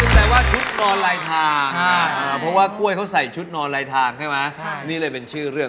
ค่ะแล้วคำตอบของออร์นะฮะก็คือ